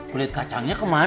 kulit kacangnya kemana